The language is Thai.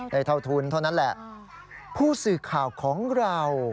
เท่าทุนเท่านั้นแหละผู้สื่อข่าวของเรา